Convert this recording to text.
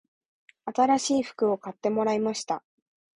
新しい服を買ってもらいました